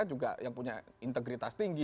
juga yang punya integritas tinggi